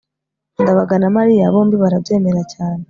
ndabaga na mariya bombi barabyemera cyane